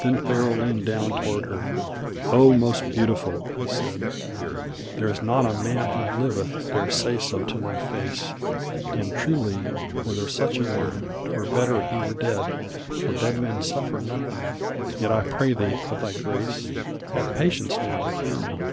Then Pharaoh leaned down toward her: "0 most beautiful!" he said, "There is not a man who liveth dare say so to my face; And truly were there such a one 'twere better he were dead, For dead men suffer nothing. Yet I pray thee of thy grace "Have patience now to hear me.